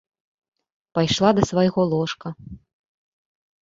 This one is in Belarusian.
Пайшла да свайго ложка.